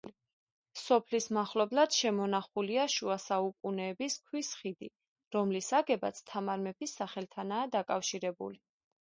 სოფლის მახლობლად შემონახულია შუა საუკუნეების ქვის ხიდი, რომლის აგებაც თამარ მეფის სახელთანაა დაკავშირებული.